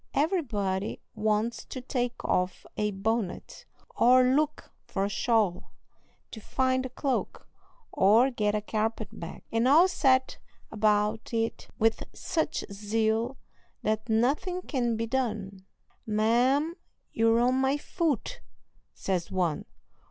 Everybody wants to take off a bonnet, or look for a shawl, to find a cloak, or get a carpet bag, and all set about it with such zeal that nothing can be done. "Ma'am, you're on my foot!" says one.